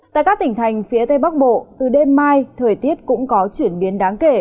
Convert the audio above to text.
tại các tỉnh thành phía tây bắc bộ từ đêm mai thời tiết cũng có chuyển biến đáng kể